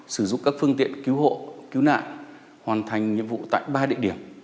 sử dụng các phương tiện cứu hộ cứu nạn hoàn thành nhiệm vụ tại ba địa điểm